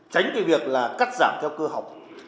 tránh cái việc là cắt giảm theo cơ học